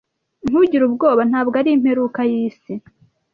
Ntugire ubwoba. Ntabwo ari imperuka yisi.